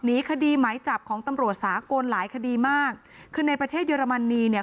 หนีคดีไหมจับของตำรวจสากลหลายคดีมากคือในประเทศเยอรมนีเนี่ย